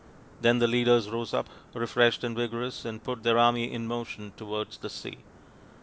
Then the leaders rose up refreshed and vigorous and put their army in motion towards the sea.